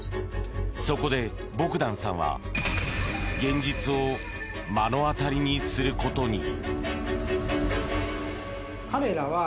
そこでボグダンさんは現実を目の当たりにすることに。